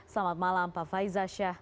selamat malam pak faizah shah